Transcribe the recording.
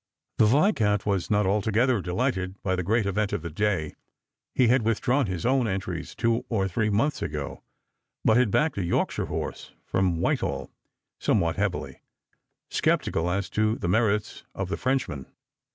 The Viscount was not altogether delighted by the great event of the day. He had withdrawn his own entries two or three months ago, but had backed a Yorkshire horse, from Whitehall, somewhat heavily, sceptical as to the merits of the Frenchman.